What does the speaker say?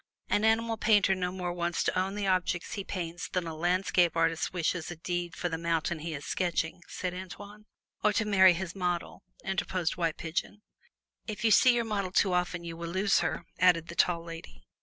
"An animal painter no more wants to own the objects he paints than a landscape artist wishes a deed for the mountain he is sketching," said Antoine. "Or to marry his model," interposed White Pigeon. "If you see your model too often, you will lose her," added the Tall Lady.